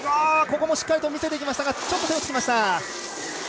しっかりと見せていきましたがちょっと手をつきました。